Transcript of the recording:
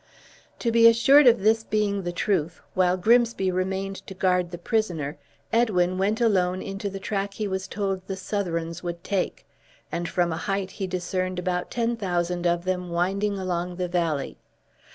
To be assured of this being the truth, while Grimsby remained to guard the prisoner, Edwin went alone into the track he was told the Southrons would take, and from a height he discerned about ten thousand of them winding along the valley.